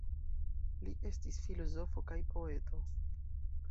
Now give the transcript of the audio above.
Li estis filozofo kaj poeto.